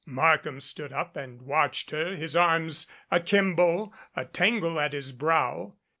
Markham stood up and watched her, his arms a kimbo, a tangle at his brow.